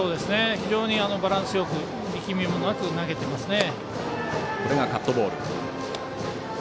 非常にバランスよく力みもなく投げていますよね。